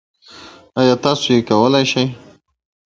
How is it different from the cooking of another country you know about?